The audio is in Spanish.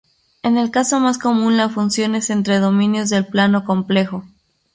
En el caso más común la función es entre dominios del plano complejo.